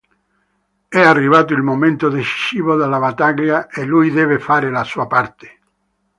È arrivato il momento decisivo della battaglia e lui deve fare la sua parte.